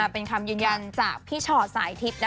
เป็นคำยืนยันจักพี่ฉอดสายทิปนะคะ